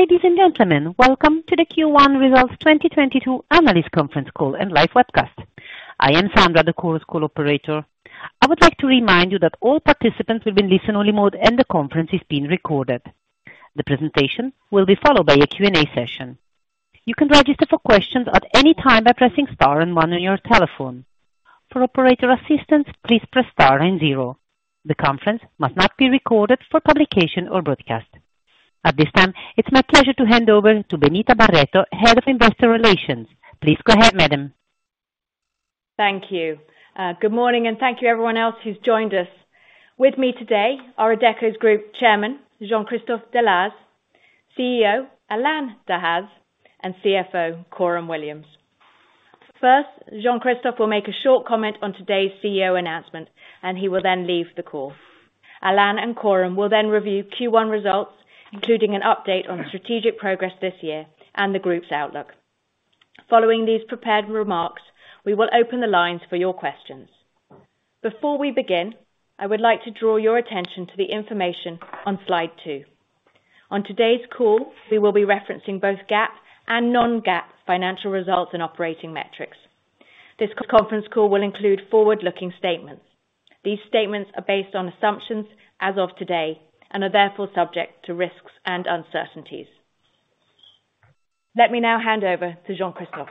Ladies and gentlemen, welcome to the Q1 Results 2022 analyst conference call and live webcast. I am Sandra, the call operator. I would like to remind you that all participants will be in listen-only mode, and the conference is being recorded. The presentation will be followed by a Q&A session. You can register for questions at any time by pressing star and one on your telephone. For operator assistance, please press star and zero. The conference must not be recorded for publication or broadcast. At this time, it's my pleasure to hand over to Benita Barretto, Head of Investor Relations. Please go ahead, madam. Thank you. Good morning, and thank you everyone else who's joined us. With me today are Adecco Group Chairman, Jean-Christophe Deslarzes; CEO, Alain Dehaze; and CFO, Coram Williams. First, Jean-Christophe will make a short comment on today's CEO announcement, and he will then leave the call. Alain and Coram will then review Q1 results, including an update on strategic progress this year and the group's outlook. Following these prepared remarks, we will open the lines for your questions. Before we begin, I would like to draw your attention to the information on slide two. On today's call, we will be referencing both GAAP and Non-GAAP financial results and operating metrics. This conference call will include forward-looking statements. These statements are based on assumptions as of today and are therefore subject to risks and uncertainties. Let me now hand over to Jean-Christophe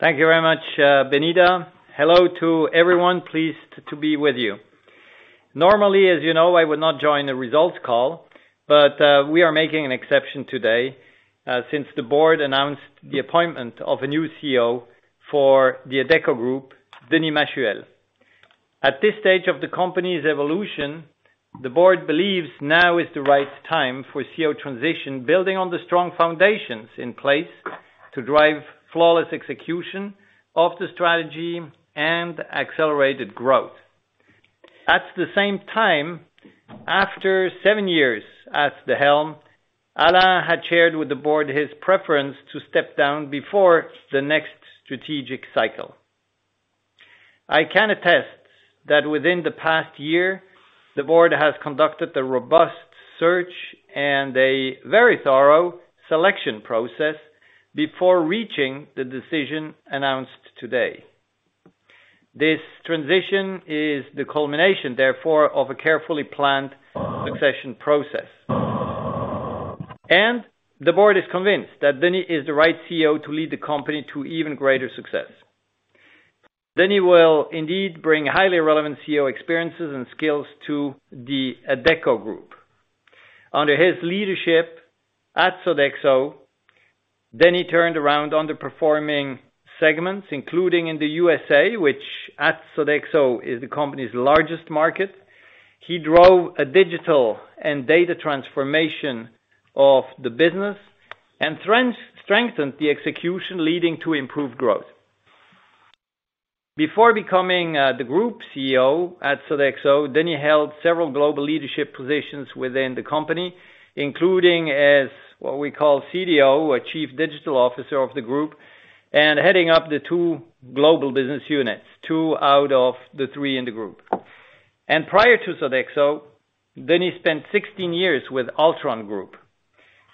Thank you very much, Benita. Hello to everyone. Pleased to be with you. Normally, as you know, I would not join a results call, but we are making an exception today, since the board announced the appointment of a new CEO for the Adecco Group, Denis Machuel. At this stage of the company's evolution, the board believes now is the right time for CEO transition, building on the strong foundations in place to drive flawless execution of the strategy and accelerated growth. At the same time, after seven years at the helm, Alain had shared with the board his preference to step down before the next strategic cycle. I can attest that within the past year, the board has conducted a robust search and a very thorough selection process before reaching the decision announced today. This transition is the culmination, therefore, of a carefully planned succession process. The board is convinced that Denis is the right CEO to lead the company to even greater success. Denis will indeed bring highly relevant CEO experiences and skills to the Adecco Group. Under his leadership at Sodexo, Denis turned around underperforming segments, including in the U.S. which at Sodexo is the company's largest market. He drove a digital and data transformation of the business and strengthened the execution, leading to improved growth. Before becoming the group CEO at Sodexo, Denis held several global leadership positions within the company, including as what we call CDO or Chief Digital Officer of the group, and heading up the two global business units, two out of the three in the group. Prior to Sodexo, Denis spent 16 years with Altran Group.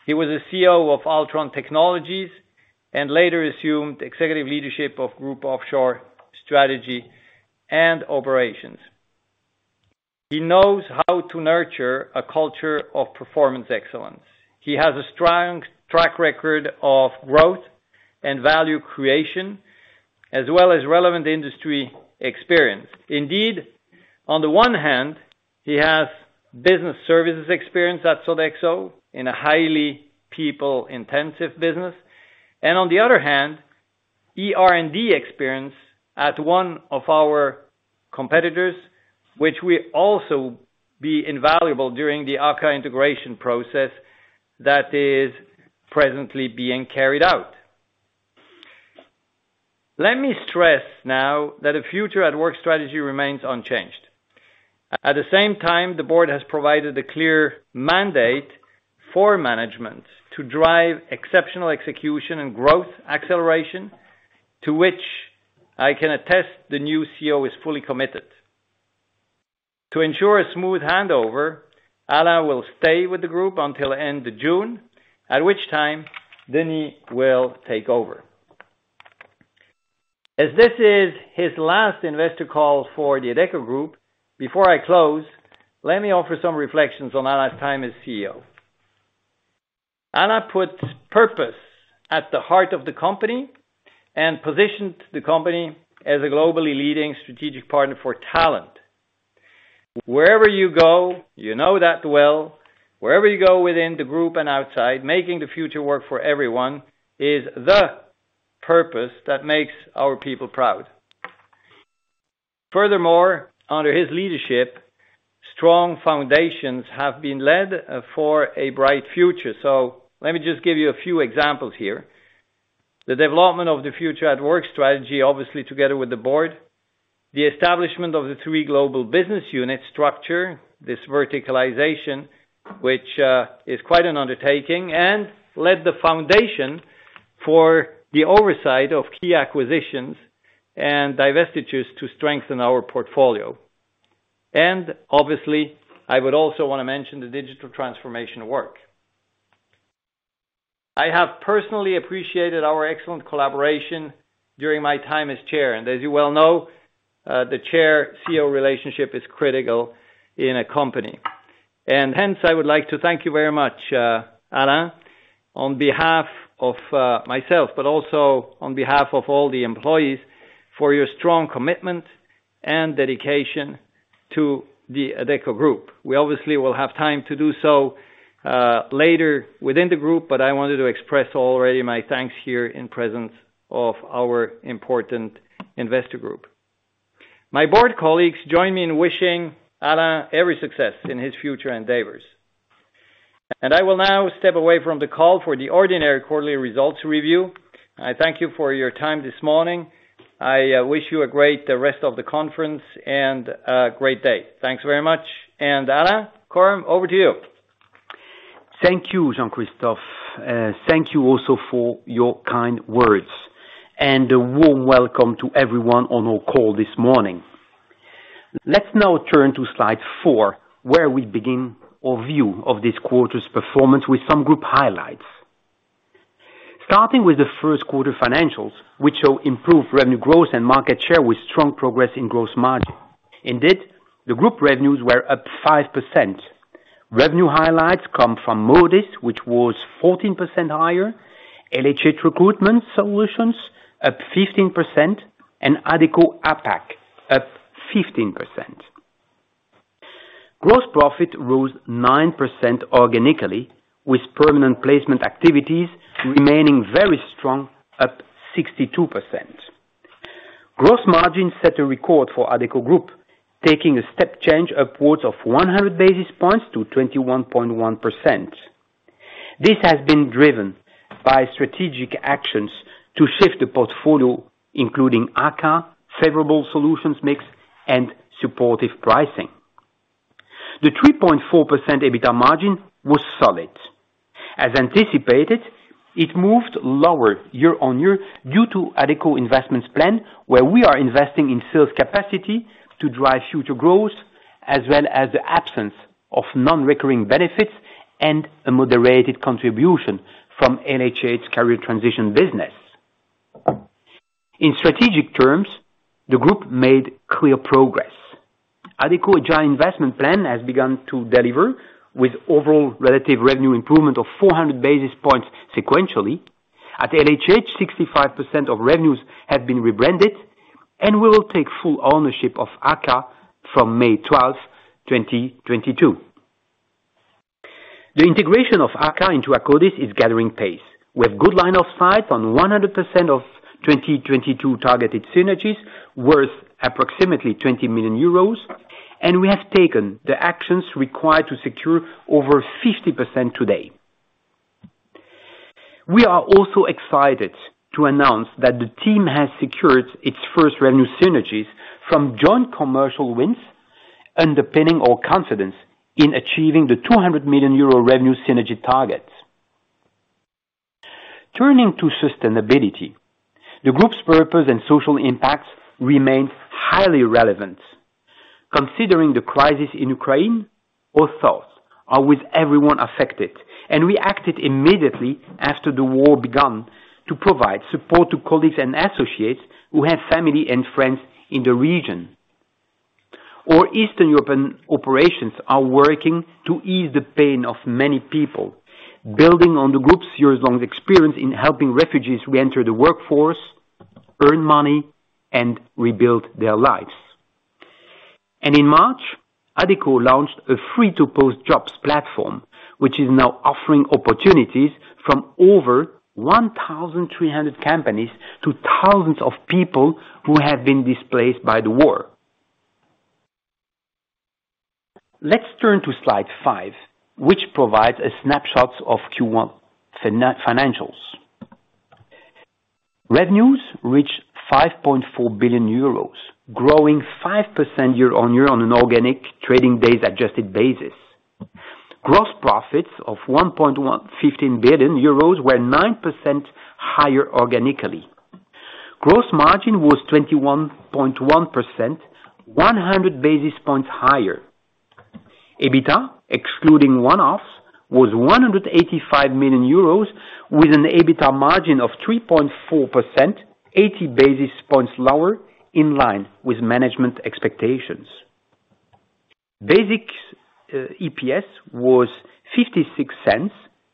He was a CEO of Altran Technologies and later assumed executive leadership of Group Offshore Strategy and Operations. He knows how to nurture a culture of performance excellence. He has a strong track record of growth and value creation, as well as relevant industry experience. Indeed, on the one hand, he has business services experience at Sodexo in a highly people-intensive business. On the other hand, ER&D experience at one of our competitors, which will also be invaluable during the AKKA integration process that is presently being carried out. Let me stress now that a future at work strategy remains unchanged. At the same time, the board has provided a clear mandate for management to drive exceptional execution and growth acceleration, to which I can attest the new CEO is fully committed. To ensure a smooth handover, Alain will stay with the group until end of June, at which time Denis will take over. As this is his last investor call for the Adecco Group, before I close, let me offer some reflections on Alain's time as CEO. Alain put purpose at the heart of the company and positioned the company as a globally leading strategic partner for talent. Wherever you go, you know that well, wherever you go within the group and outside, making the future work for everyone is the purpose that makes our people proud. Furthermore, under his leadership, strong foundations have been led for a bright future. Let me just give you a few examples here. The development of the future at work strategy, obviously, together with the board. The establishment of the three global business unit structure, this verticalization, which is quite an undertaking, and laid the foundation for the oversight of key acquisitions and divestitures to strengthen our portfolio. Obviously, I would also wanna mention the digital transformation work. I have personally appreciated our excellent collaboration during my time as chair. As you well know, the Chair-CEO relationship is critical in a company. Hence, I would like to thank you very much, Alain, on behalf of myself, but also on behalf of all the employees for your strong commitment and dedication to the Adecco Group. We obviously will have time to do so later within the group, but I wanted to express already my thanks here in the presence of our important investor group. My board colleagues join me in wishing Alain every success in his future endeavors. I will now step away from the call for the ordinary quarterly results review. I thank you for your time this morning. I wish you a great rest of the conference and a great day. Thanks very much. Alain, Coram, over to you. Thank you, Jean-Christophe. Thank you also for your kind words. A warm welcome to everyone on our call this morning. Let's now turn to slide 4, where we begin our view of this quarter's performance with some group highlights. Starting with the first quarter financials, which show improved revenue growth and market share with strong progress in gross margin. Indeed, the group revenues were up 5%. Revenue highlights come from Modis, which was 14% higher. LHH Recruitment Solutions up 15%, and Adecco APAC up 15%. Gross profit rose 9% organically, with permanent placement activities remaining very strong up 62%. Gross margin set a record for Adecco Group, taking a step change upwards of 100 basis points to 21.1%. This has been driven by strategic actions to shift the portfolio, including AKKA, favorable solutions mix, and supportive pricing. The 3.4% EBITDA margin was solid. As anticipated, it moved lower year-on-year due to Adecco investments plan, where we are investing in sales capacity to drive future growth, as well as the absence of non-recurring benefits and a moderated contribution from LHH's Career Transition business. In strategic terms, the group made clear progress. Adecco joint investment plan has begun to deliver with overall relative revenue improvement of 400 basis points sequentially. At LHH, 65% of revenues have been rebranded, and we will take full ownership of AKKA from May 12, 2022. The integration of AKKA into Akkodis is gathering pace. We have good line of sight on 100% of 2022 targeted synergies worth approximately 20 million euros and we have taken the actions required to secure over 50% today. We are also excited to announce that the team has secured its first revenue synergies from joint commercial wins, underpinning our confidence in achieving the 200 million euro revenue synergy targets. Turning to sustainability, the group's purpose and social impacts remain highly relevant. Considering the crisis in Ukraine, our thoughts are with everyone affected, and we acted immediately after the war began to provide support to colleagues and associates who have family and friends in the region. Our Eastern European operations are working to ease the pain of many people, building on the group's years-long experience in helping refugees reenter the workforce, earn money, and rebuild their lives. In March, Adecco launched a free-to-post jobs platform, which is now offering opportunities from over 1,300 companies to thousands of people who have been displaced by the war. Let's turn to slide 5, which provides a snapshot of Q1 financials. Revenues reached 5.4 billion euros, growing 5% year-on-year on an organic trading days adjusted basis. Gross profits of 1.15 billion euros were 9% higher organically. Gross margin was 21.1%, 100 basis points higher. EBITDA, excluding one-offs, was 185 million euros with an EBITDA margin of 3.4%, 80 basis points lower in line with management expectations. Basic EPS was 0.56,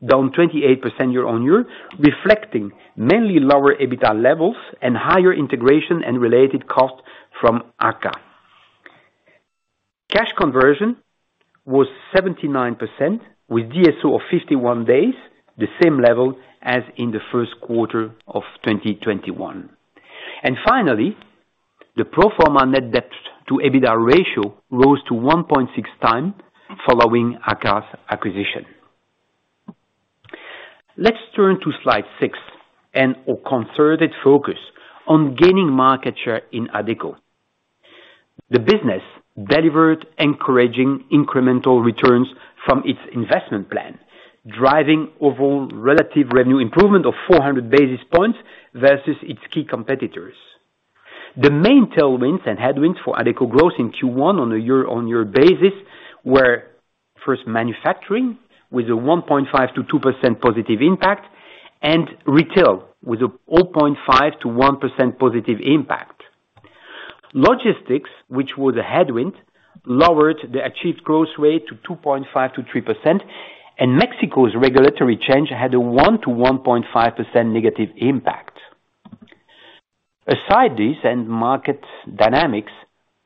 down 28% year-on-year, reflecting mainly lower EBITDA levels and higher integration and related costs from AKKA. Cash conversion was 79% with DSO of 51 days, the same level as in the first quarter of 2021. Finally, the pro forma net debt to EBITDA ratio rose to 1.6 times following AKKA's acquisition. Let's turn to slide six and a concerted focus on gaining market share in Adecco. The business delivered encouraging incremental returns from its investment plan. Driving overall relative revenue improvement of 400 basis points versus its key competitors. The main tailwinds and headwinds for Adecco growth in Q1 on a year-on-year basis were first manufacturing with a 1.5%-2% positive impact and retail with a 0.5%-1% positive impact. Logistics, which were the headwind, lowered the achieved growth rate to 2.5%-3%, and Mexico's regulatory change had a 1%-1.5% negative impact. Despite this and market dynamics,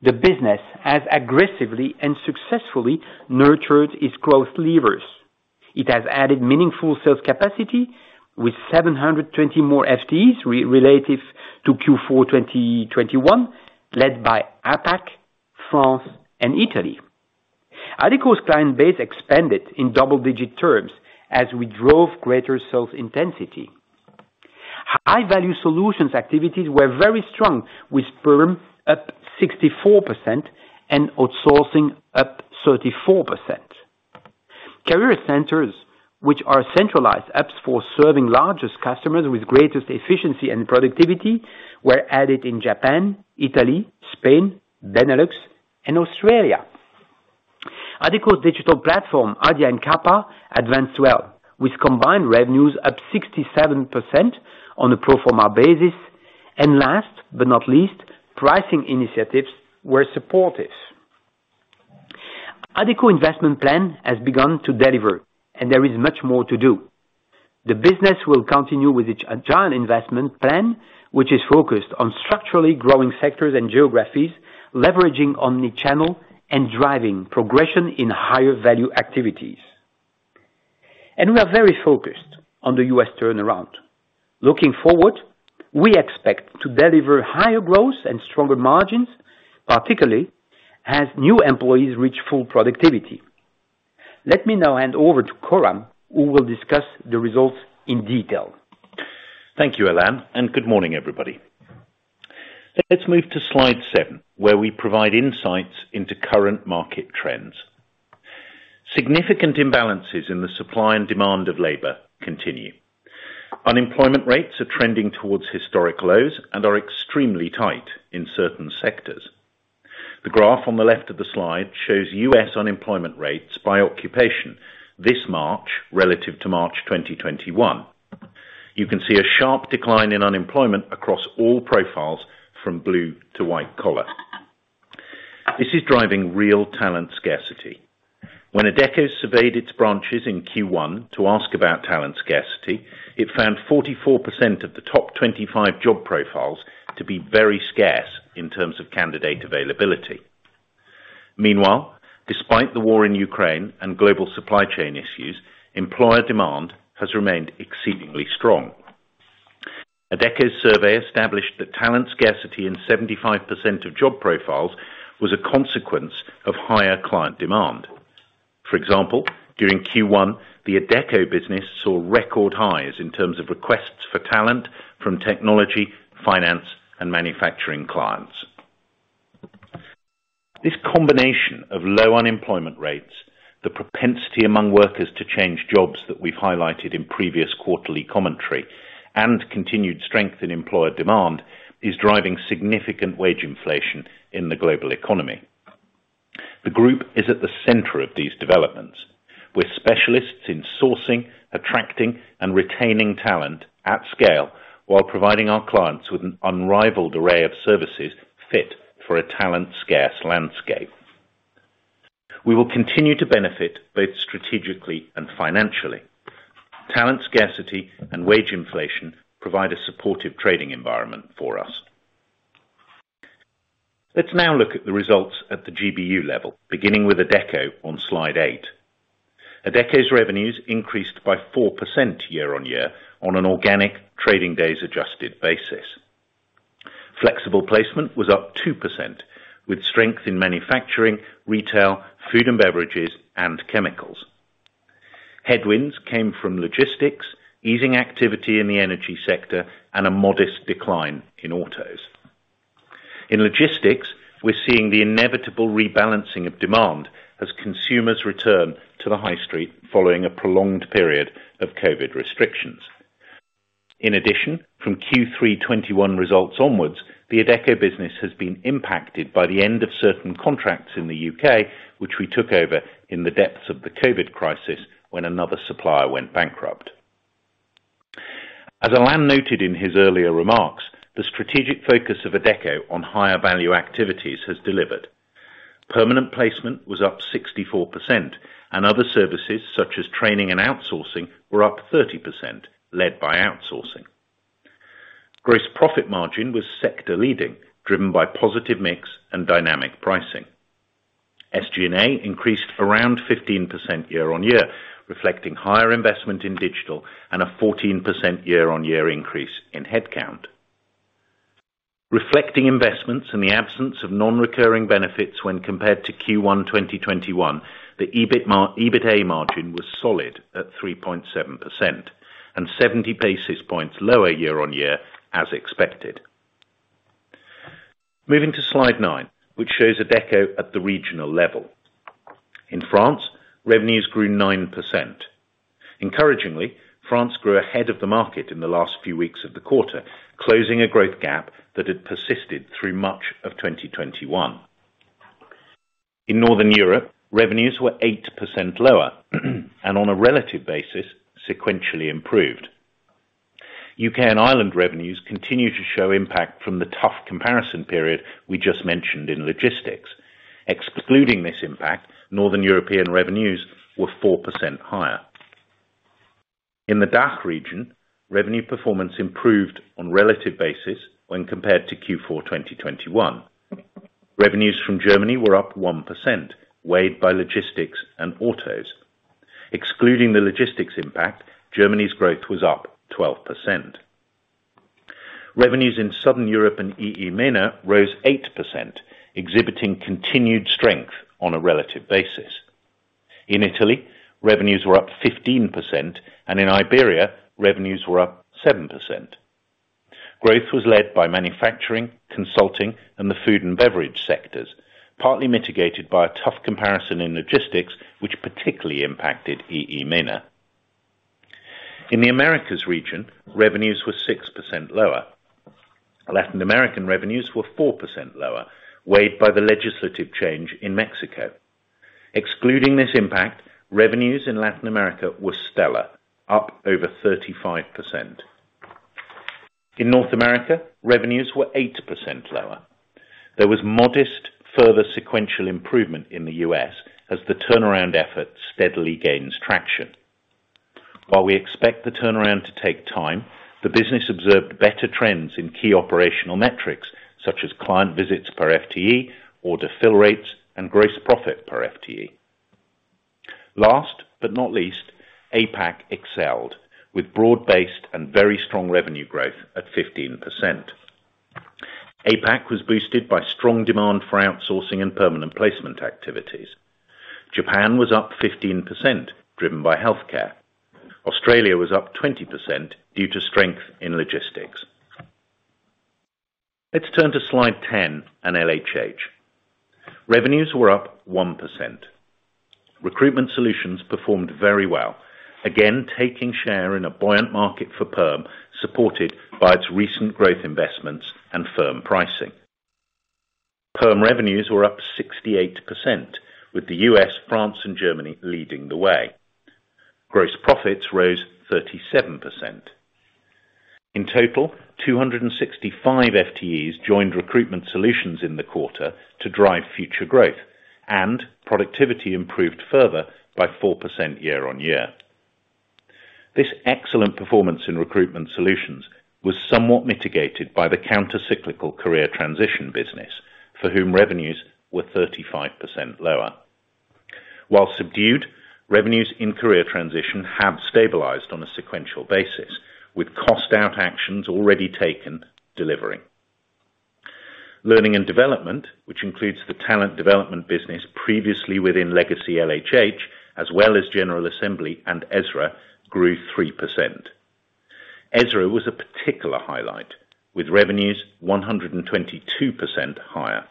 the business has aggressively and successfully nurtured its growth levers. It has added meaningful sales capacity with 720 more FTEs relative to Q4 2021, led by APAC, France and Italy. Adecco's client base expanded in double-digit terms as we drove greater sales intensity. High value solutions activities were very strong with perm up 64% and outsourcing up 34%. Career centers, which are centralized hubs for serving largest customers with greatest efficiency and productivity, were added in Japan, Italy, Spain, Benelux and Australia. Adecco's digital platform, Adia and QAPA, advanced well, with combined revenues up 67% on a pro forma basis. Last but not least, pricing initiatives were supportive. Adecco investment plan has begun to deliver, and there is much more to do. The business will continue with its agile investment plan, which is focused on structurally growing sectors and geographies, leveraging omni-channel and driving progression in higher value activities. We are very focused on the U.S. turnaround. Looking forward, we expect to deliver higher growth and stronger margins, particularly as new employees reach full productivity. Let me now hand over to Coram, who will discuss the results in detail. Thank you, Alain, and good morning, everybody. Let's move to slide 7, where we provide insights into current market trends. Significant imbalances in the supply and demand of labor continue. Unemployment rates are trending towards historic lows and are extremely tight in certain sectors. The graph on the left of the slide shows U.S. unemployment rates by occupation this March relative to March 2021. You can see a sharp decline in unemployment across all profiles from blue to white collar. This is driving real talent scarcity. When Adecco surveyed its branches in Q1 to ask about talent scarcity, it found 44% of the top 25 job profiles to be very scarce in terms of candidate availability. Meanwhile, despite the war in Ukraine and global supply chain issues, employer demand has remained exceedingly strong. Adecco's survey established that talent scarcity in 75% of job profiles was a consequence of higher client demand. For example, during Q1, the Adecco business saw record highs in terms of requests for talent from technology, finance and manufacturing clients. This combination of low unemployment rates, the propensity among workers to change jobs that we've highlighted in previous quarterly commentary, and continued strength in employer demand, is driving significant wage inflation in the global economy. The group is at the center of these developments, with specialists in sourcing, attracting, and retaining talent at scale while providing our clients with an unrivaled array of services fit for a talent scarce landscape. We will continue to benefit both strategically and financially. Talent scarcity and wage inflation provide a supportive trading environment for us. Let's now look at the results at the GBU level, beginning with Adecco on slide 8. Adecco's revenues increased by 4% year-on-year on an organic trading days adjusted basis. Flexible placement was up 2%, with strength in manufacturing, retail, food and beverages, and chemicals. Headwinds came from logistics, easing activity in the energy sector, and a modest decline in autos. In logistics, we're seeing the inevitable rebalancing of demand as consumers return to the high street following a prolonged period of COVID restrictions. In addition, from Q3 2021 results onwards, the Adecco business has been impacted by the end of certain contracts in the UK, which we took over in the depths of the COVID crisis when another supplier went bankrupt. As Alain noted in his earlier remarks, the strategic focus of Adecco on higher value activities has delivered. Permanent placement was up 64%, and other services, such as training and outsourcing, were up 30%, led by outsourcing. Gross profit margin was sector leading, driven by positive mix and dynamic pricing. SG&A increased around 15% year-on-year, reflecting higher investment in digital and a 14% year-on-year increase in headcount. Reflecting investments in the absence of non-recurring benefits when compared to Q1 2021, the EBITDA margin was solid at 3.7% and 70 basis points lower year-on-year, as expected. Moving to slide 9, which shows Adecco at the regional level. In France, revenues grew 9%. Encouragingly, France grew ahead of the market in the last few weeks of the quarter, closing a growth gap that had persisted through much of 2021. In Northern Europe, revenues were 8% lower and on a relative basis, sequentially improved. U.K. and Ireland revenues continue to show impact from the tough comparison period we just mentioned in logistics. Excluding this impact, Northern European revenues were 4% higher. In the DACH region, revenue performance improved on relative basis when compared to Q4 2021. Revenues from Germany were up 1%, weighed by logistics and autos. Excluding the logistics impact, Germany's growth was up 12%. Revenues in Southern Europe and EEMENA rose 8%, exhibiting continued strength on a relative basis. In Italy, revenues were up 15%, and in Iberia, revenues were up 7%. Growth was led by manufacturing, consulting and the food and beverage sectors, partly mitigated by a tough comparison in logistics, which particularly impacted EEMENA. In the Americas region, revenues were 6% lower. Latin American revenues were 4% lower, weighed by the legislative change in Mexico. Excluding this impact, revenues in Latin America were stellar, up over 35%. In North America, revenues were 8% lower. There was modest further sequential improvement in the U.S. as the turnaround effort steadily gains traction. While we expect the turnaround to take time, the business observed better trends in key operational metrics such as client visits per FTE or time to fill rates and gross profit per FTE. Last but not least, APAC excelled with broad-based and very strong revenue growth at 15%. APAC was boosted by strong demand for outsourcing and permanent placement activities. Japan was up 15% driven by healthcare. Australia was up 20% due to strength in logistics. Let's turn to slide 10 and LHH. Revenues were up 1%. Recruitment Solutions performed very well, again, taking share in a buoyant market for Perm, supported by its recent growth investments and firm pricing. Perm revenues were up 68%, with the U.S., France and Germany leading the way. Gross profits rose 37%. In total, 265 FTEs joined Recruitment Solutions in the quarter to drive future growth, and productivity improved further by 4% year-on-year. This excellent performance in Recruitment Solutions was somewhat mitigated by the counter-cyclical Career Transition business, for whom revenues were 35% lower. While subdued, revenues in Career Transition have stabilized on a sequential basis, with cost out actions already taken delivering. Learning and development, which includes the talent development business previously within Legacy LHH, as well as General Assembly and Ezra grew 3%. Ezra was a particular highlight, with revenues 122% higher.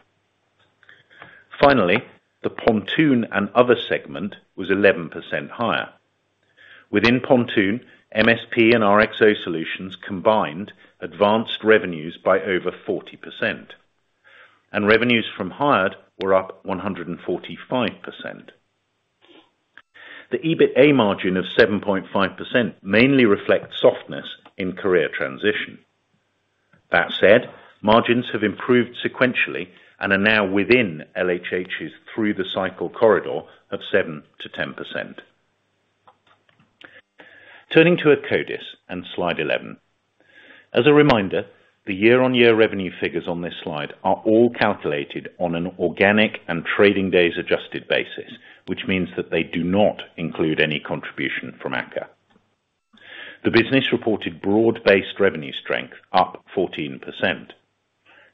Finally, the Pontoon and other segment was 11% higher. Within Pontoon, MSP and RPO Solutions combined advanced revenues by over 40%, and revenues from Hired were up 145%. The EBITDA margin of 7.5% mainly reflects softness in career transition. That said, margins have improved sequentially and are now within LHH's through the cycle corridor of 7%-10%. Turning to Akkodis and slide 11. As a reminder, the year-on-year revenue figures on this slide are all calculated on an organic and trading days adjusted basis, which means that they do not include any contribution from AKKA. The business reported broad-based revenue strength up 14%.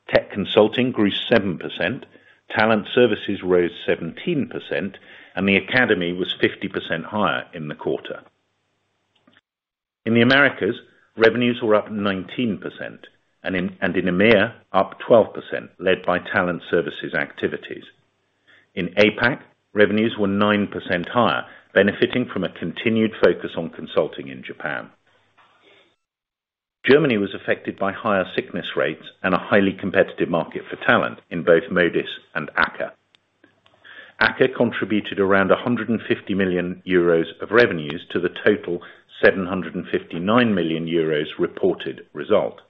Tech consulting grew 7%, talent services rose 17%, and the academy was 50% higher in the quarter. In the Americas, revenues were up 19% and in EMEA up 12%, led by talent services activities. In APAC, revenues were 9% higher, benefiting from a continued focus on consulting in Japan. Germany was affected by higher sickness rates and a highly competitive market for talent in both Modis and AKKA. AKKA contributed around 150 million euros of revenues to the total 759 million euros reported result.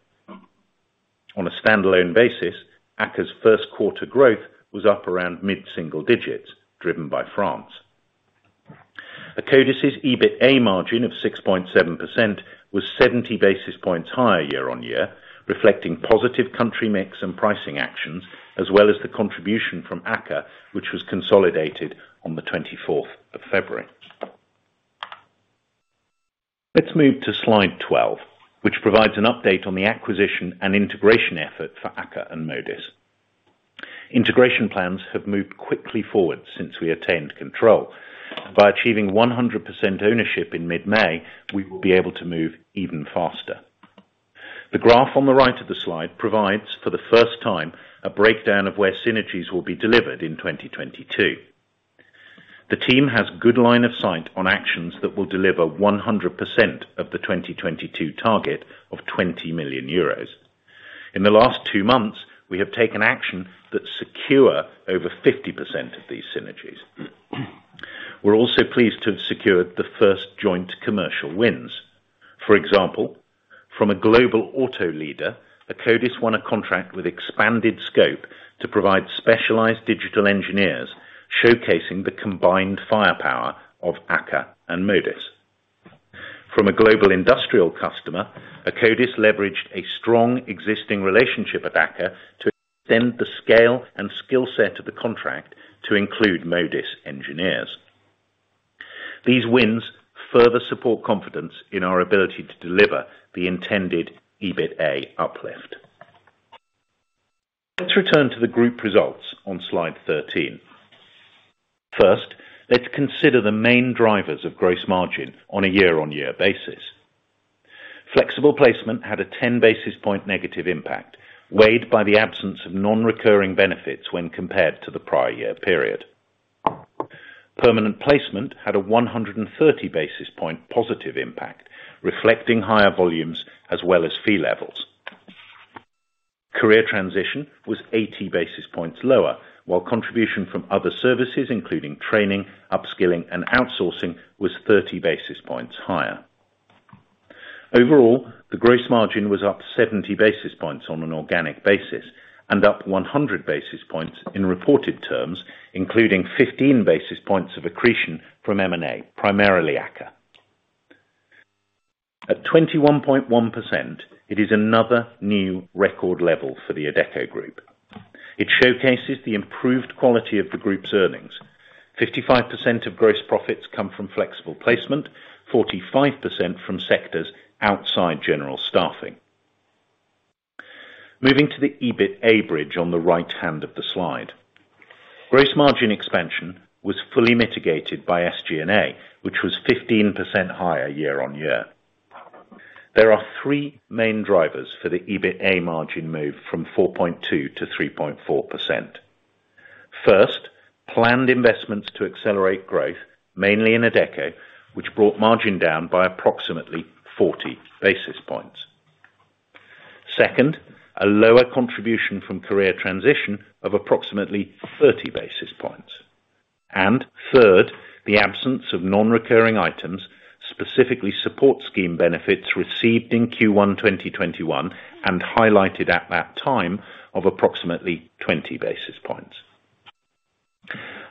On a standalone basis, AKKA's first quarter growth was up around mid-single digits%, driven by France. Akkodis' EBITDA margin of 6.7% was 70 basis points higher year-on-year, reflecting positive country mix and pricing actions, as well as the contribution from AKKA, which was consolidated on the twenty-fourth of February. Let's move to slide 12, which provides an update on the acquisition and integration effort for AKKA and Modis. Integration plans have moved quickly forward since we attained control. By achieving 100% ownership in mid-May, we will be able to move even faster. The graph on the right of the slide provides, for the first time, a breakdown of where synergies will be delivered in 2022. The team has good line of sight on actions that will deliver 100% of the 2022 target of 20 million euros. In the last two months, we have taken action that secure over 50% of these synergies. We're also pleased to have secured the first joint commercial wins. For example, from a global auto leader, Akkodis won a contract with expanded scope to provide specialized digital engineers showcasing the combined firepower of AKKA and Modis. From a global industrial customer, Akkodis leveraged a strong existing relationship at AKKA to extend the scale and skill set of the contract to include Modis engineers. These wins further support confidence in our ability to deliver the intended EBITDA uplift. Let's return to the group results on slide 13. First, let's consider the main drivers of gross margin on a year-on-year basis. Flexible placement had a 10 basis point negative impact, weighed by the absence of non-recurring benefits when compared to the prior year period. Permanent placement had a 130 basis point positive impact, reflecting higher volumes as well as fee levels. Career transition was 80 basis points lower, while contribution from other services, including training, upskilling, and outsourcing, was 30 basis points higher. Overall, the gross margin was up 70 basis points on an organic basis and up 100 basis points in reported terms, including 15 basis points of accretion from M&A, primarily AKKA. At 21.1%, it is another new record level for the Adecco Group. It showcases the improved quality of the group's earnings. 55% of gross profits come from flexible placement, 45% from sectors outside general staffing. Moving to the EBITDA bridge on the right hand of the slide. Gross margin expansion was fully mitigated by SG&A, which was 15% higher year-on-year. There are three main drivers for the EBITDA margin move from 4.2% to 3.4%. First, planned investments to accelerate growth, mainly in Adecco, which brought margin down by approximately 40 basis points. Second, a lower contribution from Career Transition of approximately 30 basis points. Third, the absence of non-recurring items, specifically support scheme benefits received in Q1 2021 and highlighted at that time of approximately 20 basis points.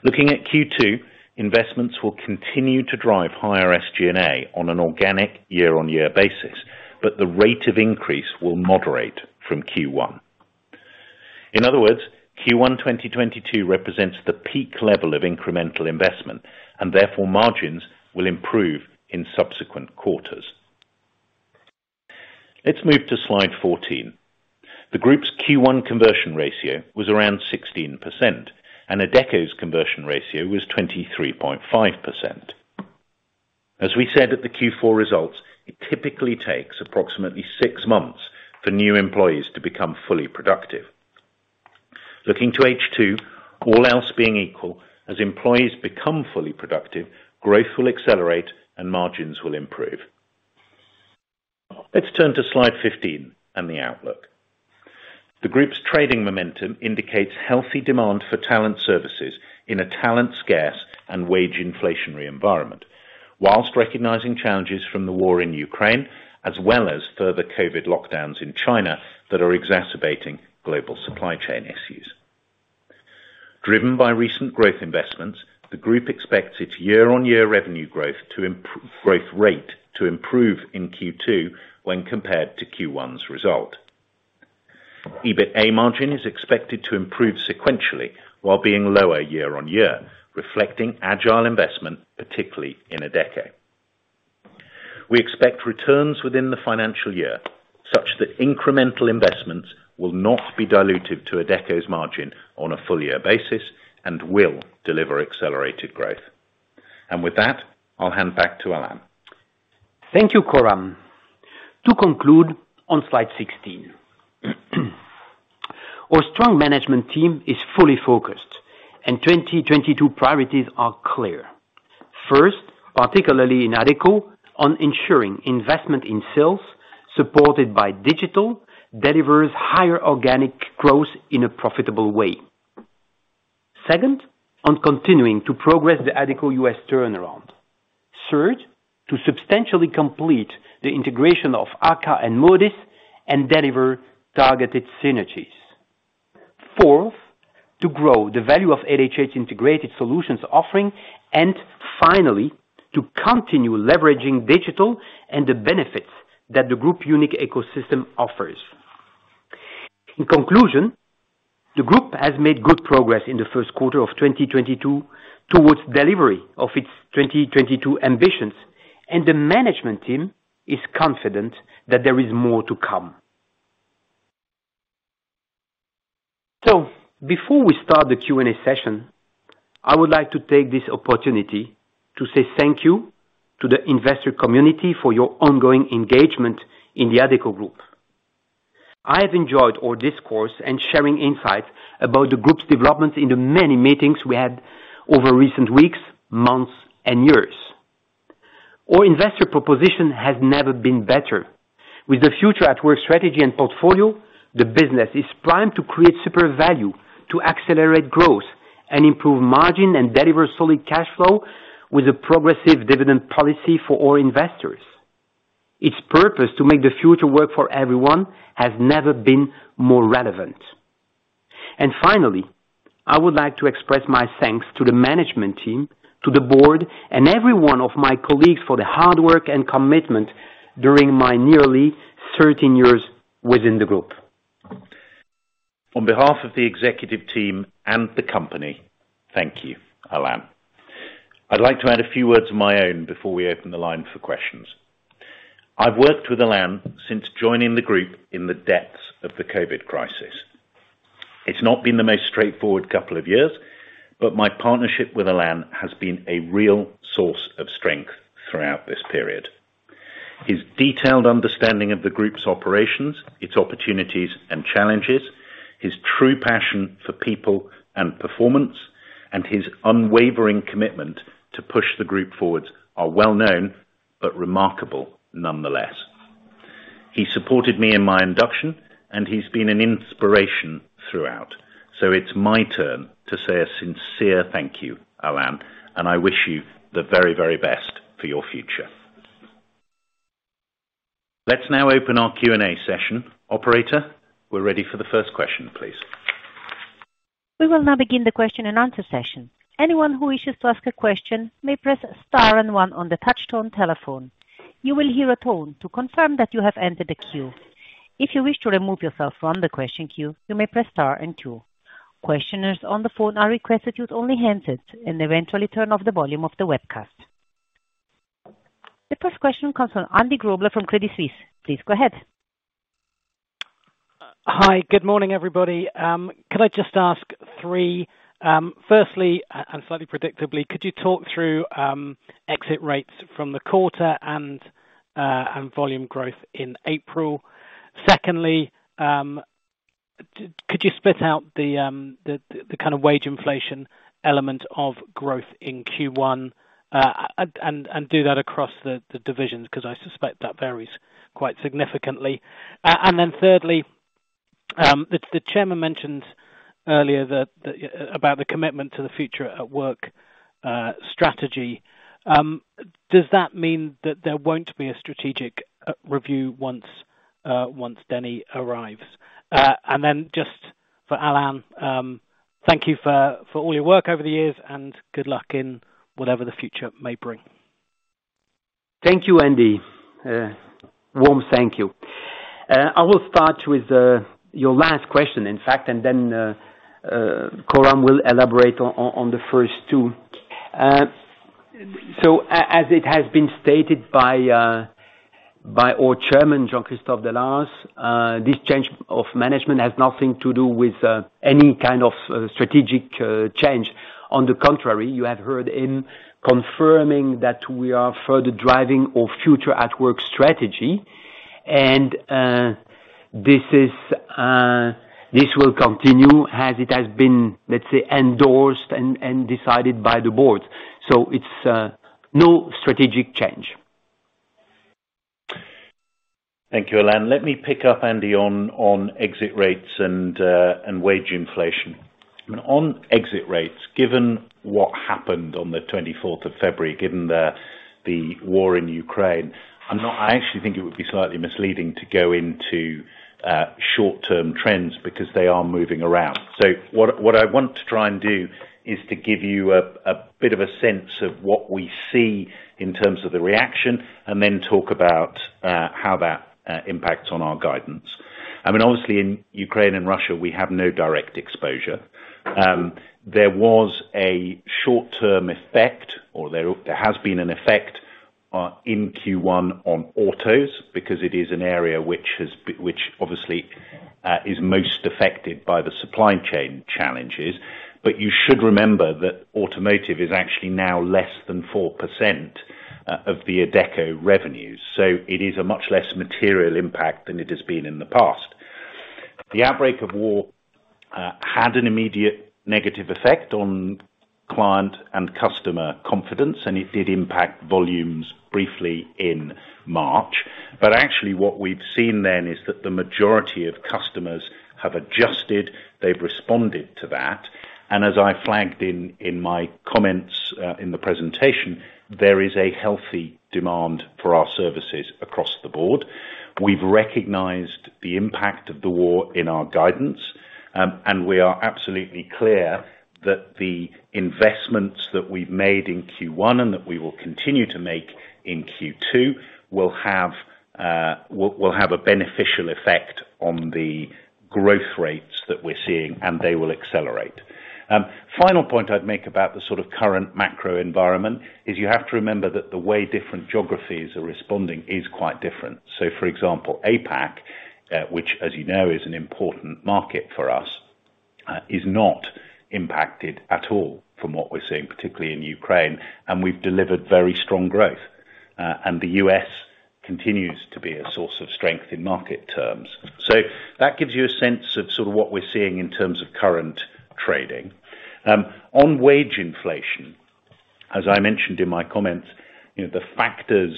Looking at Q2, investments will continue to drive higher SG&A on an organic year-on-year basis, but the rate of increase will moderate from Q1. In other words, Q1 2022 represents the peak level of incremental investment and therefore margins will improve in subsequent quarters. Let's move to slide 14. The group's Q1 conversion ratio was around 16%, and Adecco's conversion ratio was 23.5%. As we said at the Q4 results, it typically takes approximately six months for new employees to become fully productive. Looking to H2, all else being equal, as employees become fully productive, growth will accelerate and margins will improve. Let's turn to slide 15 and the outlook. The group's trading momentum indicates healthy demand for talent services in a talent scarce and wage inflationary environment, while recognizing challenges from the war in Ukraine, as well as further COVID lockdowns in China that are exacerbating global supply chain issues. Driven by recent growth investments, the group expects its year-on-year revenue growth to improve in Q2 when compared to Q1's result. EBITDA margin is expected to improve sequentially while being lower year-on-year, reflecting agile investment, particularly in Adecco. We expect returns within the financial year such that incremental investments will not be diluted to Adecco's margin on a full year basis and will deliver accelerated growth. With that, I'll hand back to Alain. Thank you, Coram. To conclude on slide 16, our strong management team is fully focused, and 2022 priorities are clear. First, particularly in Adecco, on ensuring investment in sales supported by digital delivers higher organic growth in a profitable way. Second, on continuing to progress the Adecco U.S. turnaround. Third, to substantially complete the integration of AKKA and Modis and deliver targeted synergies. Fourth, to grow the value of LHH integrated solutions offering. And finally, to continue leveraging digital and the benefits that the group's unique ecosystem offers. In conclusion, the group has made good progress in the first quarter of 2022 towards delivery of its 2022 ambitions. The management team is confident that there is more to come. Before we start the Q&A session, I would like to take this opportunity to say thank you to the investor community for your ongoing engagement in the Adecco Group. I have enjoyed our discourse and sharing insights about the group's developments in the many meetings we had over recent weeks, months, and years. Our investor proposition has never been better. With the future at work strategy and portfolio, the business is primed to create super value to accelerate growth and improve margin and deliver solid cash flow with a progressive dividend policy for all investors. Its purpose to make the future work for everyone has never been more relevant. Finally, I would like to express my thanks to the management team, to the board and every one of my colleagues for the hard work and commitment during my nearly 13 years within the group. On behalf of the executive team and the company, thank you, Alain. I'd like to add a few words of my own before we open the line for questions. I've worked with Alain since joining the group in the depths of the COVID crisis. It's not been the most straightforward couple of years, but my partnership with Alain has been a real source of strength throughout this period. His detailed understanding of the group's operations, its opportunities and challenges, his true passion for people and performance, and his unwavering commitment to push the group forward are well-known but remarkable nonetheless. He supported me in my induction, and he's been an inspiration throughout. It's my turn to say a sincere thank you, Alain, and I wish you the very, very best for your future. Let's now open our Q&A session. Operator, we're ready for the first question, please. We will now begin the question-and-answer session. Anyone who wishes to ask a question may press star and one on the touchtone telephone. You will hear a tone to confirm that you have entered the queue. If you wish to remove yourself from the question queue, you may press star and two. Questioners on the phone are requested to use only handsets and eventually turn off the volume of the webcast. The first question comes from Andrew Grobler from Credit Suisse. Please go ahead. Hi. Good morning, everybody. Could I just ask three? Firstly, and slightly predictably, could you talk through exit rates from the quarter and volume growth in April? Secondly, could you split out the kind of wage inflation element of growth in Q1, and do that across the divisions, because I suspect that varies quite significantly. Then thirdly, the chairman mentioned earlier about the commitment to the future at work strategy. Does that mean that there won't be a strategic review once Denny arrives? Then just for Alain, thank you for all your work over the years and good luck in whatever the future may bring. Thank you, Andy. Warm thank you. I will start with your last question, in fact, and then Coram will elaborate on the first two. As it has been stated by our Chairman, Jean-Christophe Deslarzes, this change of management has nothing to do with any kind of strategic change. On the contrary, you have heard him confirming that we are further driving our future at work strategy, and this will continue as it has been, let's say, endorsed and decided by the board. It's no strategic change. Thank you, Alain. Let me pick up, Andy, on exit rates and wage inflation. I mean, on exit rates, given what happened on the 24th of February, given the war in Ukraine, I actually think it would be slightly misleading to go into short-term trends because they are moving around. What I want to try and do is to give you a bit of a sense of what we see in terms of the reaction and then talk about how that impacts on our guidance. I mean, obviously, in Ukraine and Russia, we have no direct exposure. There was a short-term effect or there has been an effect in Q1 on autos because it is an area which obviously is most affected by the supply chain challenges. You should remember that automotive is actually now less than 4% of the Adecco revenues, so it is a much less material impact than it has been in the past. The outbreak of war had an immediate negative effect on client and customer confidence, and it did impact volumes briefly in March. Actually what we've seen then is that the majority of customers have adjusted, they've responded to that. As I flagged in my comments in the presentation, there is a healthy demand for our services across the board. We've recognized the impact of the war in our guidance, and we are absolutely clear that the investments that we've made in Q1 and that we will continue to make in Q2 will have a beneficial effect on the growth rates that we're seeing, and they will accelerate. Final point I'd make about the sort of current macro environment is you have to remember that the way different geographies are responding is quite different. For example, APAC, which as you know, is an important market for us, is not impacted at all from what we're seeing, particularly in Ukraine, and we've delivered very strong growth. And the U.S. continues to be a source of strength in market terms. That gives you a sense of sort of what we're seeing in terms of current trading. On wage inflation, as I mentioned in my comments, you know, the factors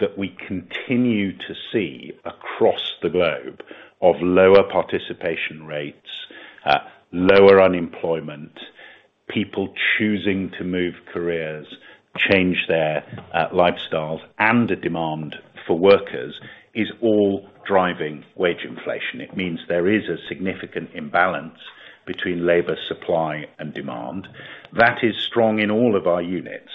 that we continue to see across the globe of lower participation rates, lower unemployment, people choosing to move careers, change their lifestyles, and the demand for workers is all driving wage inflation. It means there is a significant imbalance between labor supply and demand. That is strong in all of our units.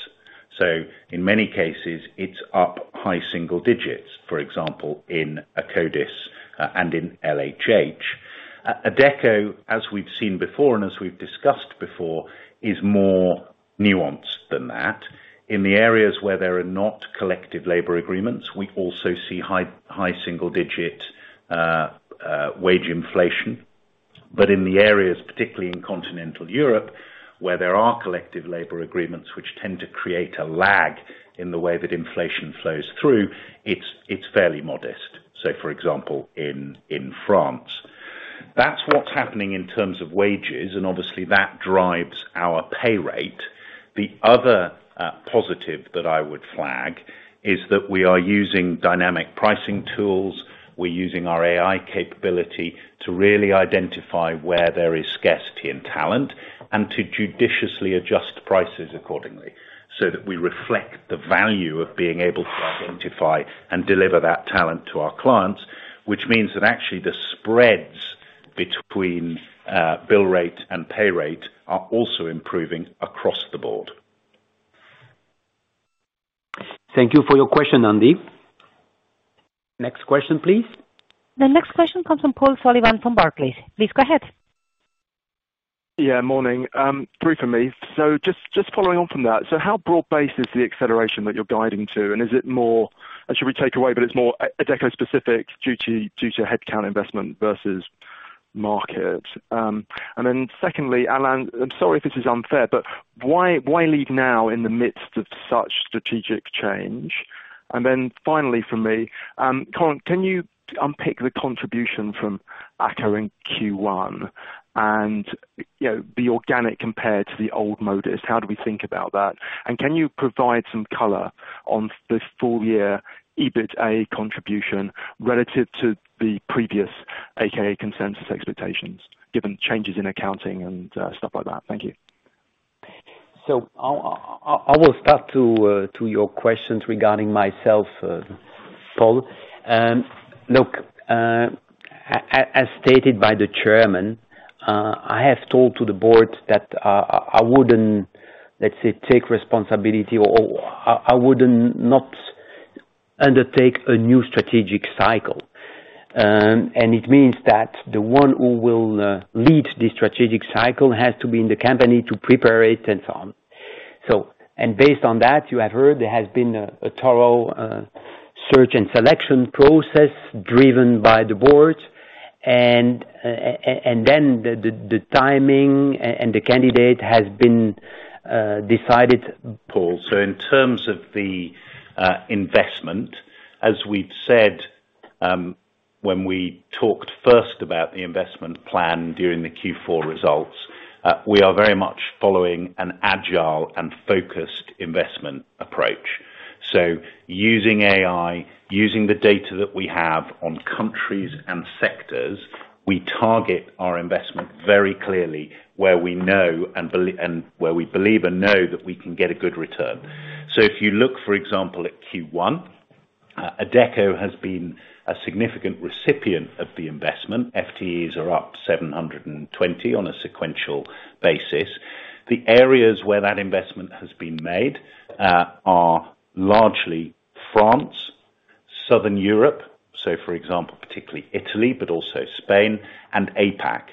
In many cases, it's up high single digits, for example, in Akkodis and in LHH. Adecco, as we've seen before and as we've discussed before, is more nuanced than that. In the areas where there are not collective labor agreements, we also see high single digit wage inflation. In the areas, particularly in continental Europe, where there are collective labor agreements which tend to create a lag in the way that inflation flows through, it's fairly modest. For example, in France. That's what's happening in terms of wages, and obviously that drives our pay rate. The other positive that I would flag is that we are using dynamic pricing tools. We're using our AI capability to really identify where there is scarcity and talent and to judiciously adjust prices accordingly so that we reflect the value of being able to identify and deliver that talent to our clients. Which means that actually the spreads between bill rate and pay rate are also improving across the board. Thank you for your question, Andy. Next question, please. The next question comes from Paul Sullivan from Barclays. Please go ahead. Yeah, morning. Three for me. Just following on from that. How broad-based is the acceleration that you're guiding to? And is it more? Should we take away that it's more Adecco specific due to headcount investment versus market? Secondly, Alain, I'm sorry if this is unfair, but why leave now in the midst of such strategic change? Finally for me, can you unpick the contribution from AKKA in Q1 and, you know, the organic compared to the old Modis? How do we think about that? And can you provide some color on this full year EBITDA contribution relative to the previous AKKA consensus expectations, given changes in accounting and stuff like that? Thank you. I will start to your questions regarding myself, Paul. Look, as stated by the chairman, I have told to the board that I wouldn't, let's say, take responsibility or I wouldn't not undertake a new strategic cycle. It means that the one who will lead this strategic cycle has to be in the company to prepare it and so on. Based on that, you have heard there has been a thorough search and selection process driven by the board. And then the timing and the candidate has been decided. Paul, in terms of the investment, as we've said, when we talked first about the investment plan during the Q4 results, we are very much following an agile and focused investment approach. Using AI, using the data that we have on countries and sectors, we target our investment very clearly where we know and where we believe and know that we can get a good return. If you look, for example, at Q1, Adecco has been a significant recipient of the investment. FTEs are up 720 on a sequential basis. The areas where that investment has been made are largely France, Southern Europe, so for example, particularly Italy, but also Spain and APAC.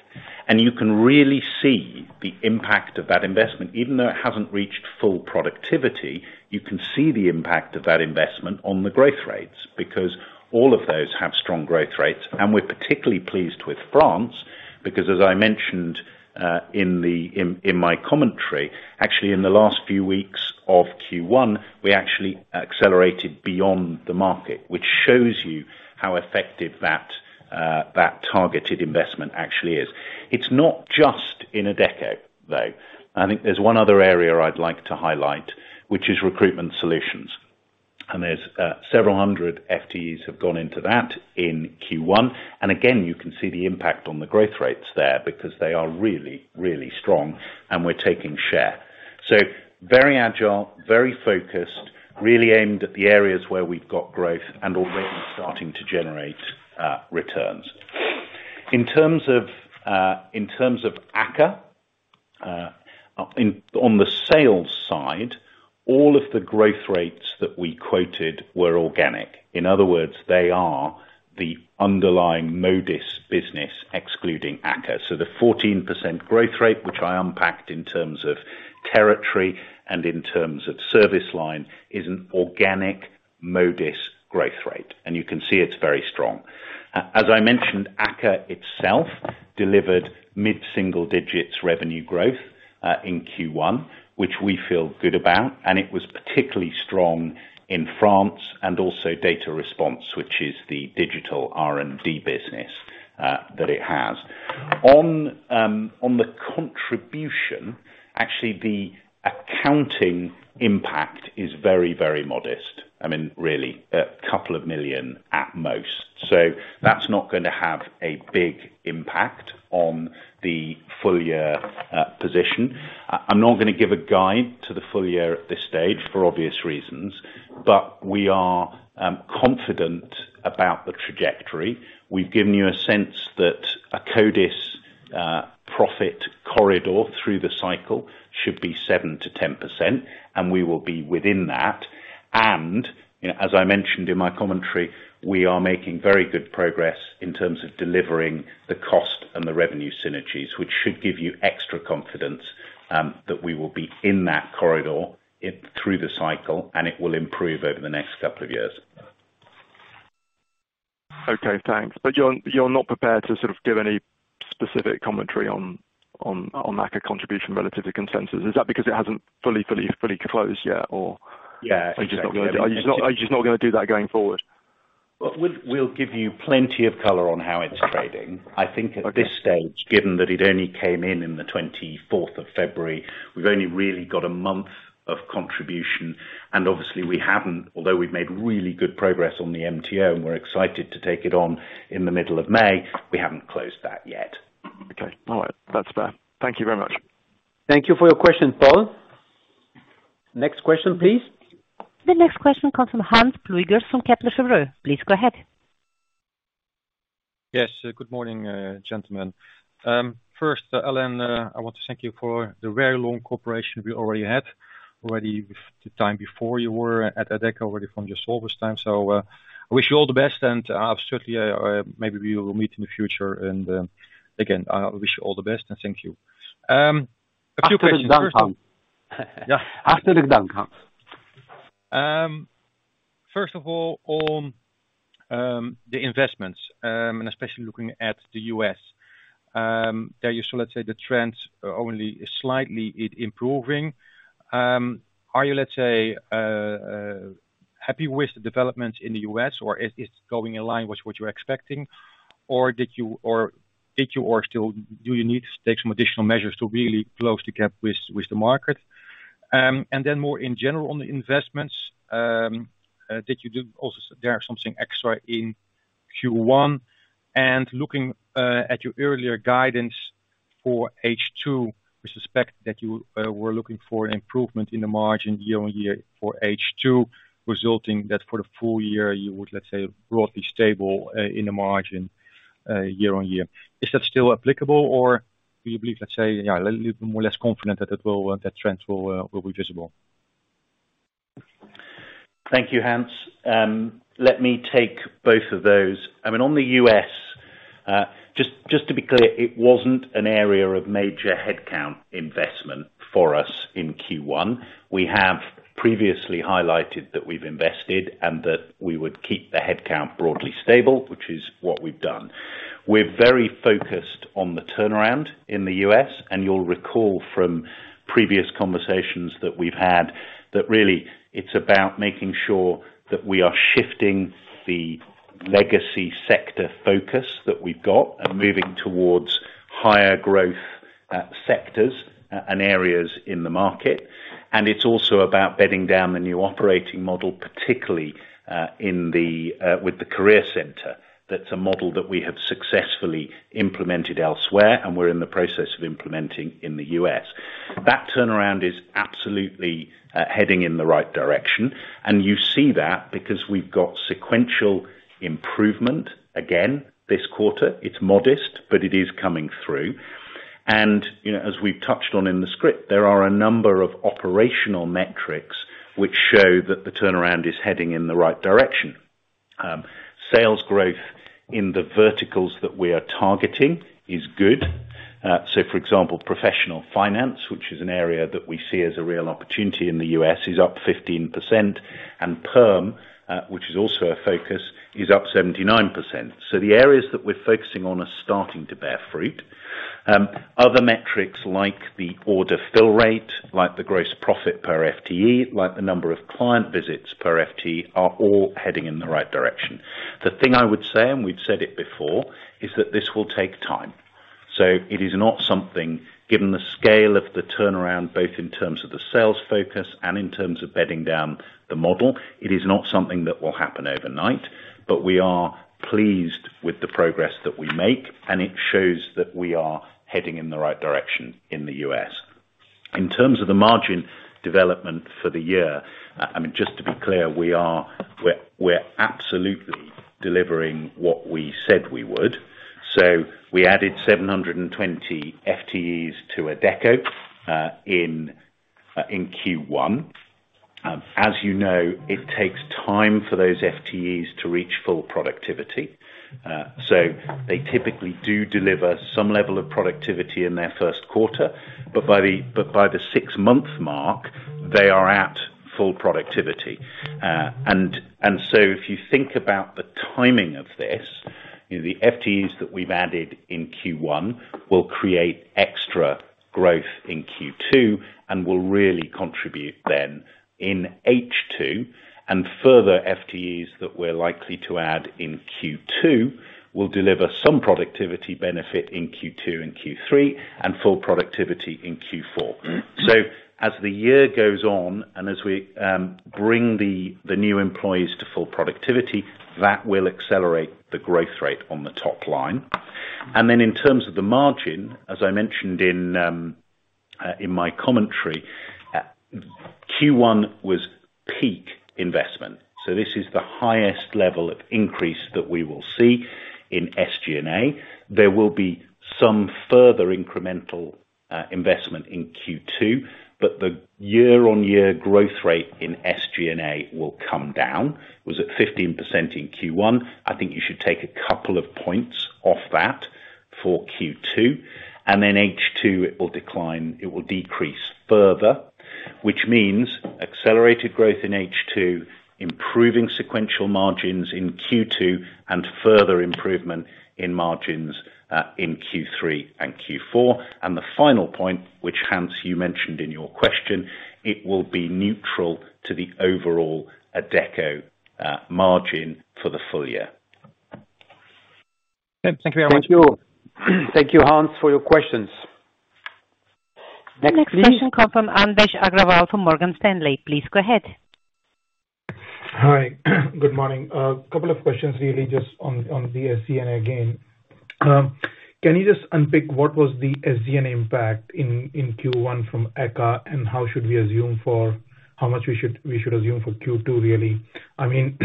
You can really see the impact of that investment. Even though it hasn't reached full productivity, you can see the impact of that investment on the growth rates because all of those have strong growth rates. We're particularly pleased with France because as I mentioned, in my commentary, actually in the last few weeks of Q1, we actually accelerated beyond the market, which shows you how effective that targeted investment actually is. It's not just in Adecco, though. I think there's one other area I'd like to highlight, which is Recruitment Solutions. There's several hundred FTEs have gone into that in Q1. Again, you can see the impact on the growth rates there because they are really, really strong and we're taking share. Very agile, very focused, really aimed at the areas where we've got growth and are already starting to generate, returns. In terms of AKKA, on the sales side, all of the growth rates that we quoted were organic. In other words, they are the underlying Modis business excluding AKKA. The 14% growth rate, which I unpacked in terms of territory and in terms of service line, is an organic Modis growth rate, and you can see it's very strong. As I mentioned, AKKA itself delivered mid-single digits revenue growth in Q1, which we feel good about, and it was particularly strong in France and also Data Respons, which is the digital R&D business that it has. On the contribution, actually, the accounting impact is very, very modest. I mean, really 2 million at most. That's not gonna have a big impact on the full year position. I'm not gonna give a guide to the full year at this stage for obvious reasons, but we are confident about the trajectory. We've given you a sense that a Akkodis profit corridor through the cycle should be 7%-10%, and we will be within that. You know, as I mentioned in my commentary, we are making very good progress in terms of delivering the cost and the revenue synergies, which should give you extra confidence that we will be in that corridor through the cycle, and it will improve over the next couple of years. Okay, thanks. You're not prepared to sort of give any specific commentary on AKKA contribution relative to consensus. Is that because it hasn't fully closed yet or- Yeah, exactly. Are you just not gonna do that going forward? We'll give you plenty of color on how it's trading. I think at this stage, given that it only came in on the 24th of February, we've only really got a month of contribution. Obviously we haven't, although we've made really good progress on the MTO, and we're excited to take it on in the middle of May, we haven't closed that yet. Okay. All right. That's fair. Thank you very much. Thank you for your question, Paul. Next question, please. The next question comes from Hans Pluijgers from Kepler Cheuvreux. Please go ahead. Yes. Good morning, gentlemen. First, Alain, I want to thank you for the very long cooperation we already had the time before you were at Adecco, already from your Solvay time. I wish you all the best, and I have certainly, maybe we will meet in the future. Again, I wish you all the best, and thank you. A few questions. First one. Yeah. First of all, on the investments, especially looking at the U.S. There you saw, let's say, the trends are only slightly improving. Are you, let's say, happy with the developments in the U.S., or is going in line with what you're expecting? Or did you or still do you need to take some additional measures to really close the gap with the market? Then more in general on the investments, did you do also there something extra in Q1? Looking at your earlier guidance for H2, we suspect that you were looking for an improvement in the margin year-on-year for H2, resulting that for the full year, you would, let's say, broadly stable in the margin year-on-year. Is that still applicable, or do you believe, let's say, you know, a little bit more or less confident that it will, that trends will be visible? Thank you, Hans. Let me take both of those. I mean, on the U.S., just to be clear, it wasn't an area of major headcount investment for us in Q1. We have previously highlighted that we've invested and that we would keep the headcount broadly stable, which is what we've done. We're very focused on the turnaround in the U.S., and you'll recall from previous conversations that we've had that really it's about making sure that we are shifting the legacy sector focus that we've got and moving towards higher growth sectors and areas in the market. It's also about bedding down the new operating model, particularly with the career center. That's a model that we have successfully implemented elsewhere, and we're in the process of implementing in the U.S. That turnaround is absolutely heading in the right direction, and you see that because we've got sequential improvement again this quarter. It's modest, but it is coming through. You know, as we've touched on in the script, there are a number of operational metrics which show that the turnaround is heading in the right direction. Sales growth in the verticals that we are targeting is good. For example, professional finance, which is an area that we see as a real opportunity in the U.S., is up 15%, and perm, which is also a focus, is up 79%. The areas that we're focusing on are starting to bear fruit. Other metrics like the order fill rate, like the gross profit per FTE, like the number of client visits per FTE, are all heading in the right direction. The thing I would say, and we've said it before, is that this will take time. It is not something, given the scale of the turnaround, both in terms of the sales focus and in terms of bedding down the model, it is not something that will happen overnight, but we are pleased with the progress that we make, and it shows that we are heading in the right direction in the U.S. In terms of the margin development for the year, I mean, just to be clear, we're absolutely delivering what we said we would. We added 720 FTEs to Adecco in Q1. As you know, it takes time for those FTEs to reach full productivity. They typically do deliver some level of productivity in their first quarter, but by the six-month mark, they are at full productivity. If you think about the timing of this, you know, the FTEs that we've added in Q1 will create extra growth in Q2 and will really contribute then in H2. Further FTEs that we're likely to add in Q2 will deliver some productivity benefit in Q2 and Q3 and full productivity in Q4. As the year goes on, and as we bring the new employees to full productivity, that will accelerate the growth rate on the top line. Then in terms of the margin, as I mentioned in my commentary, Q1 was peak investment. This is the highest level of increase that we will see in SG&A. There will be some further incremental investment in Q2, but the year-on-year growth rate in SG&A will come down. It was at 15% in Q1. I think you should take a couple of points off that for Q2, and then H2 it will decline, it will decrease further, which means accelerated growth in H2, improving sequential margins in Q2, and further improvement in margins in Q3 and Q4. The final point, which, Hans, you mentioned in your question, it will be neutral to the overall Adecco margin for the full year. Okay. Thank you very much. Thank you. Thank you, Hans, for your questions. Next, please. The next question comes from Anvesh Agrawal from Morgan Stanley. Please go ahead. Hi. Good morning. A couple of questions really just on the SG&A again. Can you just unpick what was the SG&A impact in Q1 from AKKA and how much we should assume for Q2 really? I mean,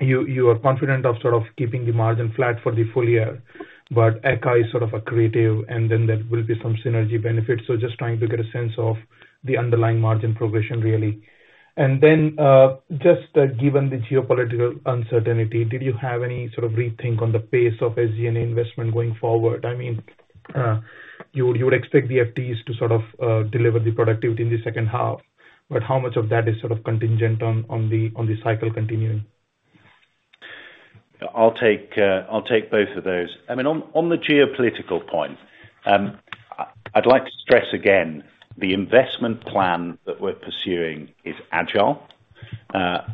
you are confident of sort of keeping the margin flat for the full year, but AKKA is sort of accretive and then there will be some synergy benefits. Just trying to get a sense of the underlying margin progression really. Then, just given the geopolitical uncertainty, did you have any sort of rethink on the pace of SG&A investment going forward? I mean, you would expect the FTEs to sort of deliver the productivity in the second half, but how much of that is sort of contingent on the cycle continuing? I'll take both of those. I mean, on the geopolitical point, I'd like to stress again, the investment plan that we're pursuing is agile.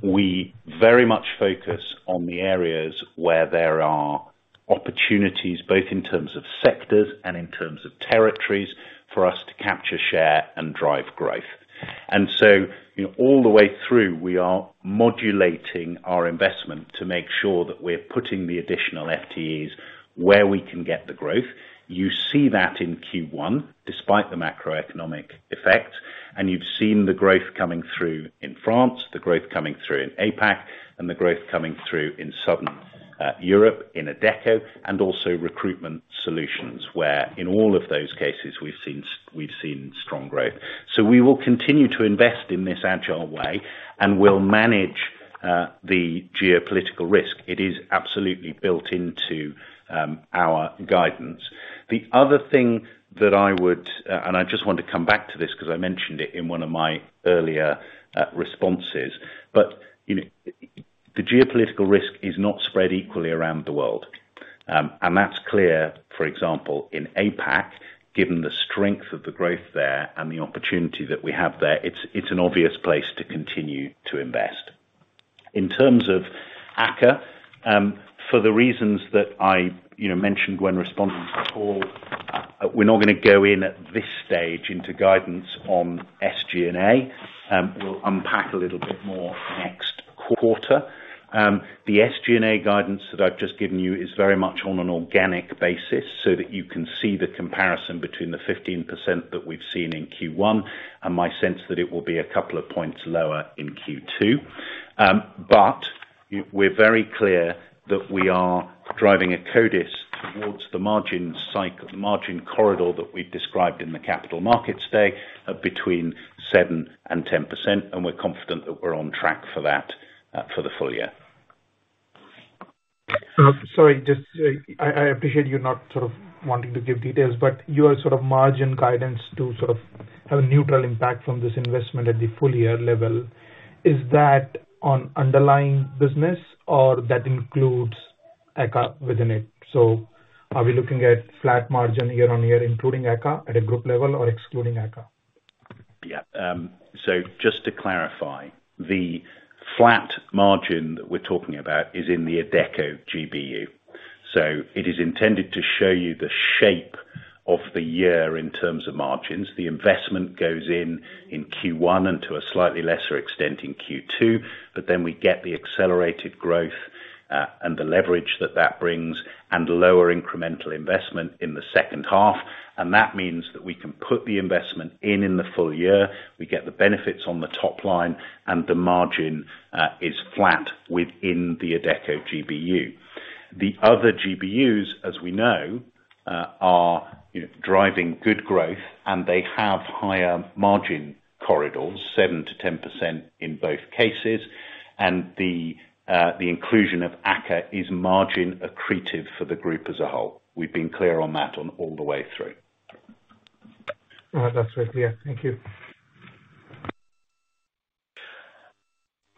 We very much focus on the areas where there are opportunities, both in terms of sectors and in terms of territories, for us to capture share and drive growth. All the way through, we are modulating our investment to make sure that we're putting the additional FTEs where we can get the growth. You see that in Q1, despite the macroeconomic effect, and you've seen the growth coming through in France, the growth coming through in APAC, and the growth coming through in Southern Europe in Adecco, and also Recruitment Solutions, where in all of those cases we've seen strong growth. We will continue to invest in this agile way, and we'll manage the geopolitical risk. It is absolutely built into our guidance. The other thing I just want to come back to this because I mentioned it in one of my earlier responses. You know, the geopolitical risk is not spread equally around the world. That's clear, for example, in APAC, given the strength of the growth there and the opportunity that we have there. It's an obvious place to continue to invest. In terms of AKKA, for the reasons that I, you know, mentioned when responding to Paul, we're not gonna go in at this stage into guidance on SG&A. We'll unpack a little bit more next quarter. The SG&A guidance that I've just given you is very much on an organic basis so that you can see the comparison between the 15% that we've seen in Q1 and my sense that it will be a couple of points lower in Q2. We're very clear that we are driving Akkodis towards the margin cycle, the margin corridor that we described in the capital markets day between 7%-10%, and we're confident that we're on track for that, for the full year. Sorry, I appreciate you not sort of wanting to give details, but your sort of margin guidance to sort of have a neutral impact from this investment at the full year level. Is that on underlying business or that includes AKKA within it? Are we looking at flat margin year-on-year, including AKKA at a group level or excluding AKKA? Yeah. Just to clarify, the flat margin we're talking about is in the Adecco GBU. It is intended to show you the shape of the year in terms of margins. The investment goes in Q1 and to a slightly lesser extent in Q2, but then we get the accelerated growth and the leverage that brings and lower incremental investment in the second half. That means that we can put the investment in the full year. We get the benefits on the top line and the margin is flat within the Adecco GBU. The other GBUs, as we know, are, you know, driving good growth and they have higher margin corridors, 7%-10% in both cases. The inclusion of AKKA is margin accretive for the group as a whole. We've been clear on that all the way through. All right. That's clear. Thank you.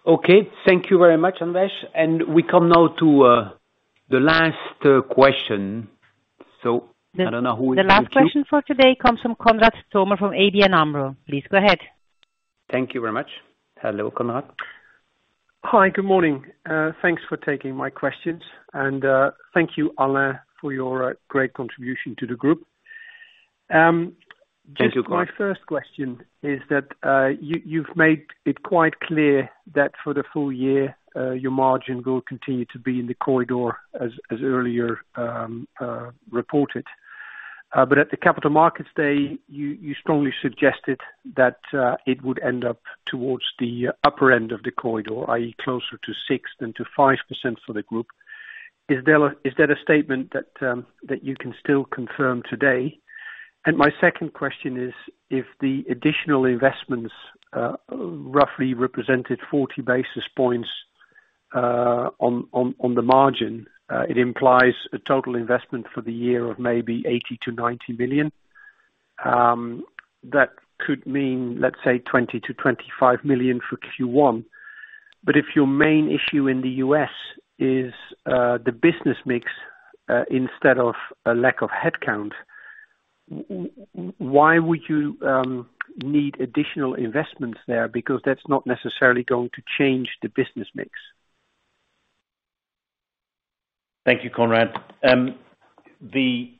Okay. Thank you very much, Anvesh. We come now to the last question. I don't know who- The last question for today comes from Konrad Zomer from ABN AMRO. Please go ahead. Thank you very much. Hello, Konrad. Hi, good morning. Thanks for taking my questions. Thank you, Alain, for your great contribution to the group. Thank you, Konrad. Just my first question is that you have made it quite clear that for the full year your margin will continue to be in the corridor as earlier reported. But at the Capital Markets Day, you strongly suggested that it would end up towards the upper end of the corridor, i.e., closer to 6% than to 5% for the group. Is that a statement that you can still confirm today? And my second question is, if the additional investments roughly represented 40 basis points on the margin, it implies a total investment for the year of maybe 80 million-90 million. That could mean, let's say, 20 million-25 million for Q1. If your main issue in the U.S. is the business mix, instead of a lack of headcount, why would you need additional investments there? Because that's not necessarily going to change the business mix. Thank you, Konrad. The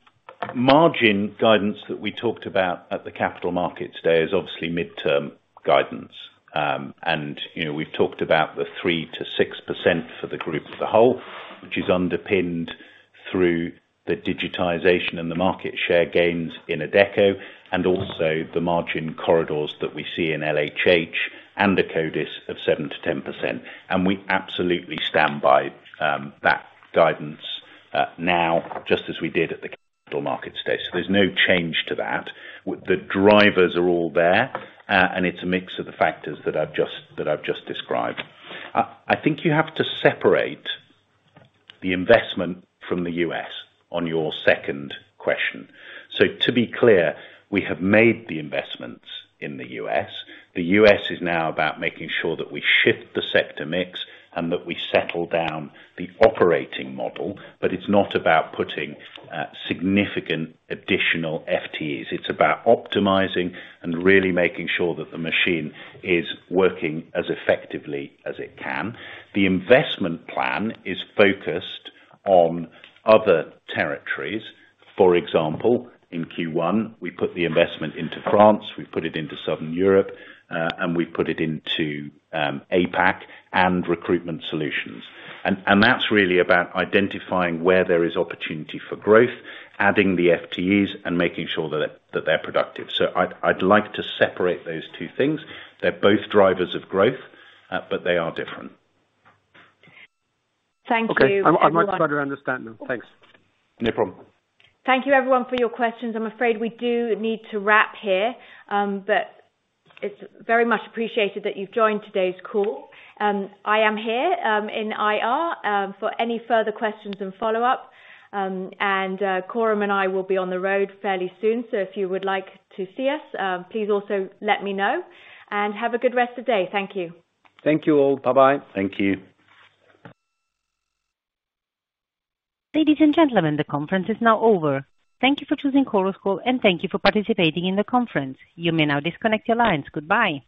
margin guidance that we talked about at the Capital Markets Day is obviously midterm guidance. You know, we've talked about the 3%-6% for the group as a whole, which is underpinned through the digitization and the market share gains in Adecco, and also the margin corridors that we see in LHH and Akkodis of 7%-10%. We absolutely stand by that guidance now, just as we did at the Capital Markets Day. There's no change to that. The drivers are all there, and it's a mix of the factors that I've just described. I think you have to separate the investment in the U.S. on your second question. To be clear, we have made the investments in the U.S. The U.S. is now about making sure that we shift the sector mix and that we settle down the operating model, but it's not about putting significant additional FTEs. It's about optimizing and really making sure that the machine is working as effectively as it can. The investment plan is focused on other territories. For example, in Q1, we put the investment into France, we put it into Southern Europe, and we put it into APAC and Recruitment Solutions. And that's really about identifying where there is opportunity for growth, adding the FTEs and making sure that they're productive. I'd like to separate those two things. They're both drivers of growth, but they are different. Thank you everyone. Okay. I would like to try to understand them. Thanks. No problem. Thank you everyone for your questions. I'm afraid we do need to wrap here. It's very much appreciated that you've joined today's call. I am here, in IR, for any further questions and follow-up. Coram and I will be on the road fairly soon. If you would like to see us, please also let me know. Have a good rest of the day. Thank you. Thank you all. Bye-bye. Thank you. Ladies and gentlemen, the conference is now over. Thank you for choosing Chorus Call, and thank you for participating in the conference. You may now disconnect your lines. Goodbye.